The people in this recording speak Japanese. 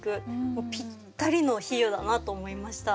もうぴったりの比喩だなと思いました。